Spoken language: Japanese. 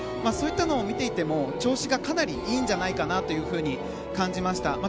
そういったのを見ていても調子がかなりいいんじゃないかと感じました。